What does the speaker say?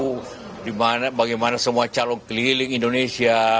coba bayangkan pemilu bagaimana semua calon keliling indonesia